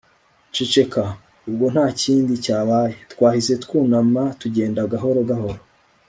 ceceka! ubwo ntakindi cyabaye, twahise twunama tugenda gahoro gahoro